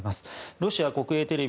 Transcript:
ロシア国営テレビ